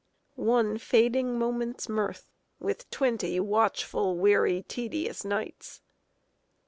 One fading moment's mirth, With twenty watchful, weary, tedious nights.